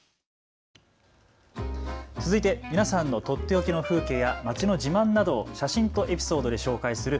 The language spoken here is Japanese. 続いて皆さんのとっておきの風景や街の自慢などを写真とエピソードで紹介する＃